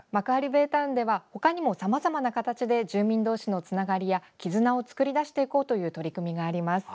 ベイタウンでは他にもさまざまな形で住民同士のつながりや絆を作り出していこうという取り組みがあります。